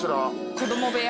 子供部屋！